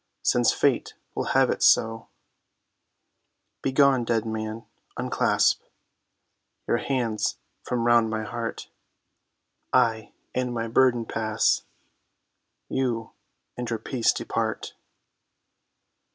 Since fate will have it so, Begone dead man, unclasp Your hands from round my heart, I and my burden pass, You and your peace depart.